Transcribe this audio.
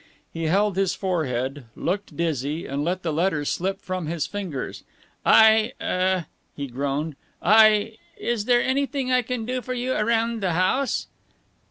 He held his forehead, looked dizzy, and let the letter slip from his fingers. "I uh " he groaned. "I Is there anything I can do for you around the house?"